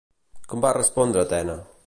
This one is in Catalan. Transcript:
Com va respondre Atena?